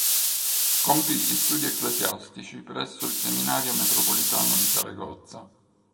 Compì gli studi ecclesiastici presso il seminario metropolitano di Saragozza.